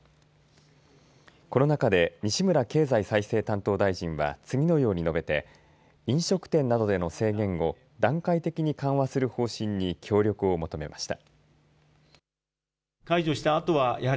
この中で西村経済再生担当大臣は次のように述べて飲食店などでの制限を段階的に緩和する方針に協力を求めました。